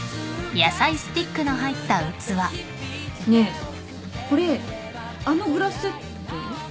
ねえこれあのグラスセット？